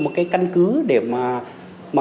một cái căn cứ để mà